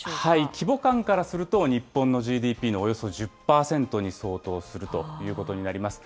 規模感からすると、日本のＧＤＰのおよそ１０％に相当するということになります。